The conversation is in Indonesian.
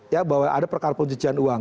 ya bahwa ada perkara pencucian uang